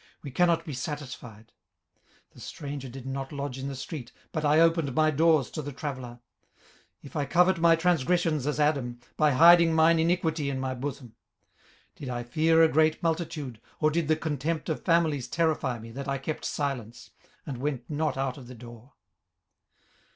we cannot be satisfied. 18:031:032 The stranger did not lodge in the street: but I opened my doors to the traveller. 18:031:033 If I covered my transgressions as Adam, by hiding mine iniquity in my bosom: 18:031:034 Did I fear a great multitude, or did the contempt of families terrify me, that I kept silence, and went not out of the door?